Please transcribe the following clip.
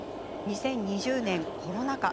２０２０年、コロナ禍。